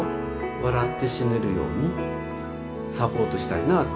笑って死ねるようにサポートしたいなあと思っています。